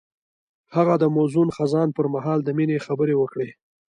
هغه د موزون خزان پر مهال د مینې خبرې وکړې.